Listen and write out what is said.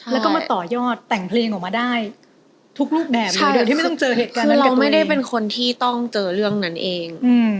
แล้วก็มาต่อยอดแต่งเพลงออกมาได้ทุกรูปแบบเลยโดยที่ไม่ต้องเจอเหตุการณ์คือเราไม่ได้เป็นคนที่ต้องเจอเรื่องนั้นเอง